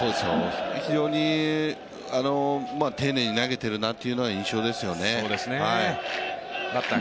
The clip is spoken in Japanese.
非常に丁寧に投げているなというような印象ですよね。